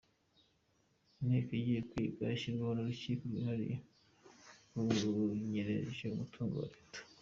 Inteko igiye kwiga ishyirwaho ry’urukiko rwihariye ku banyereje umutungo wa leta